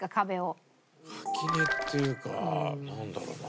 垣根っていうかなんだろうな。